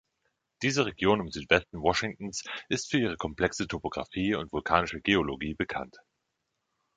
Diese Region im Südwesten Washingtons ist für ihre komplexe Topographie und vulkanische Geologie bekannt.